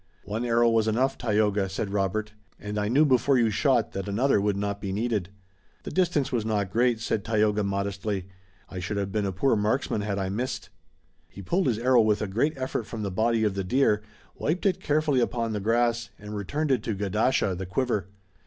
"One arrow was enough, Tayoga," said Robert, "and I knew before you shot that another would not be needed." "The distance was not great," said Tayoga modestly. "I should have been a poor marksman had I missed." He pulled his arrow with a great effort from the body of the deer, wiped it carefully upon the grass, and returned it to gadasha, the quiver.